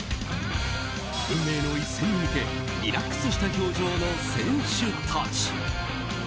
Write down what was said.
運命の一戦に向けリラックスした表情の選手たち。